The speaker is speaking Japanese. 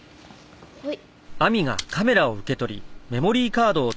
はい。